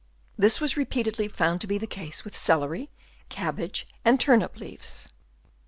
This was repeatedly found to be the case with celery, cabbage and turnip leaves.